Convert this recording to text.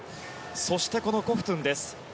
そしてコフトゥンです。